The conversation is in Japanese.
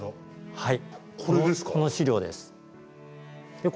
はい。